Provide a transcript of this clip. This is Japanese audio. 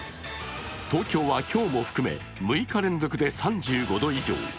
東京は今日も含め６日連続で３５度以上。